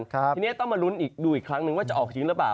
ทีนี้ต้องมาลุ้นอีกดูอีกครั้งนึงว่าจะออกจริงหรือเปล่า